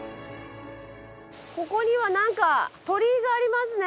ここにはなんか鳥居がありますね。